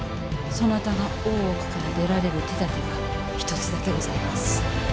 そなたが大奥から出られる手だてが一つだけございます。